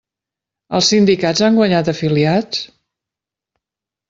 Els sindicats han guanyat afiliats?